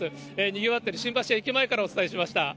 にぎわっている新橋駅前からお伝えしました。